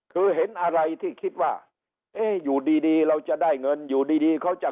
คือเห็นอะไรที่คิดว่าเอ๊ะอยู่ดีเราจะได้เงินอยู่ดีเขาจะ